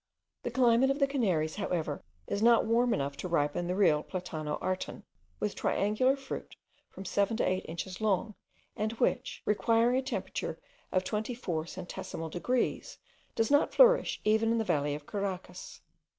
The climate of the Canaries however is not warm enough to ripen the real Platano Arton, with triangular fruit from seven to eight inches long, and which, requiring a temperature of 24 centesimal degrees, does not flourish even in the valley of Caracas.